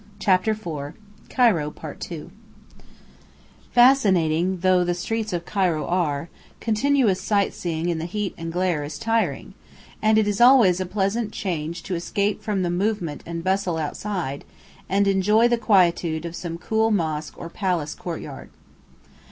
CHAPTER IV CAIRO II Fascinating though the streets of Cairo are, continuous sight seeing in the heat and glare is tiring, and it is always a pleasant change to escape from the movement and bustle outside, and enjoy the quietude of some cool mosque or palace courtyard.